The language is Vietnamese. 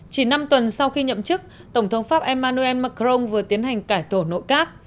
chỉ năm tuần sau khi nhậm chức tổng thống pháp emmanuel macron vừa tiến hành cải tổ nội các